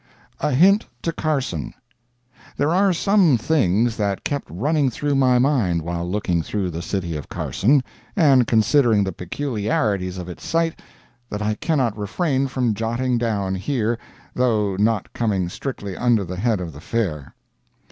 A HINT TO CARSON There are some things that kept running through my mind while looking through the city of Carson, and considering the peculiarities of its site, that I cannot refrain from jotting down here, though not coming strictly under the head of the Fair.